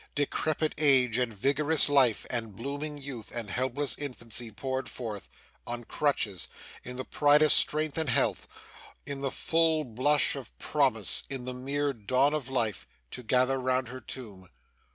Decrepit age, and vigorous life, and blooming youth, and helpless infancy, poured forth on crutches, in the pride of strength and health, in the full blush of promise, in the mere dawn of life to gather round her tomb.